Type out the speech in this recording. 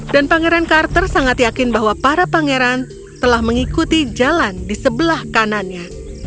dan pangeran carter sangat yakin bahwa para pangeran telah mengikuti jalan di sebelah kanannya